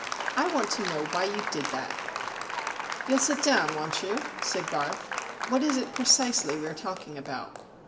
I want to know why you did that." "You'll sit down, won't you?" said Garth. "What is it precisely we are talking about?"